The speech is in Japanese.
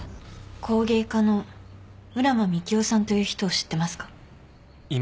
工芸家の浦真幹夫さんという人を知ってますか？